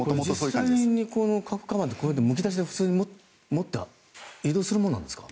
実際に核かばんをむき出しで持って移動するものなんですか？